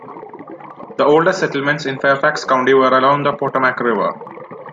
The oldest settlements in Fairfax County were along the Potomac River.